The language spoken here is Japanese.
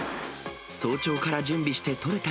早朝から準備して撮れた